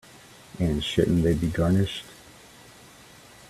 And shouldn't they be garnished?